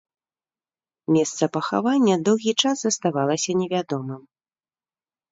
Месца пахавання доўгі час заставалася невядомым.